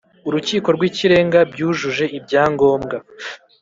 Urukiko rw Ikirenga byujuje ibyangombwa